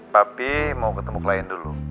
tapi mau ketemu klien dulu